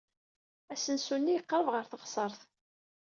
Asensu-nni yeqreb ɣer teɣsert.